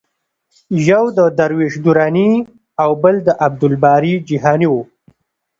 یو د درویش دراني او بل د عبدالباري جهاني و.